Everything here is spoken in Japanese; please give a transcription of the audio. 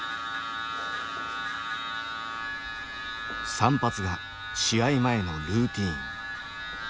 散髪が試合前のルーティーン。